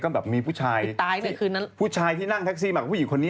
กลัวว่าผมจะต้องไปพูดให้ปากคำกับตำรวจยังไง